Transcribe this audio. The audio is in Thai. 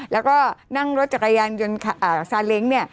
แล้วก็นั่งรถจักรยานยนต์ซาเล้งเนี่ย